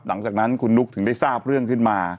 หลังจากนั้นคุณนุ๊กถึงได้ทราบเรื่องขึ้นมา